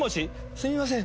すみません。